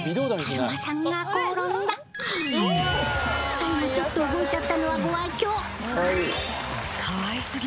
最後ちょっと動いちゃったのはご愛嬌！